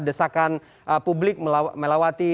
desakan publik melawati